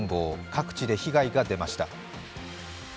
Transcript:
各地で被害が出ました。